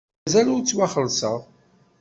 Mazal ur ttwaxelṣeɣ.